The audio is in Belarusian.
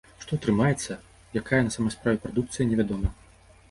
Што атрымаецца, якая на самай справе прадукцыя, невядома.